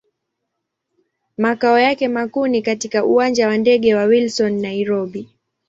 Makao yake makuu ni katika Uwanja wa ndege wa Wilson, Nairobi.